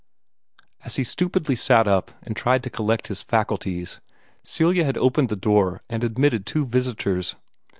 As he stupidly sat up and tried to collect his faculties, Celia had opened the door and admitted two visitors.